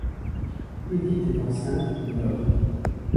Édith est enceinte et meurt.